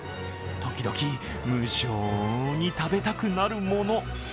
時々、無性に食べたくなるもの。